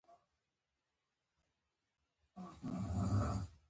هغه د دې ماشين د پلورلو وړانديز وکړ.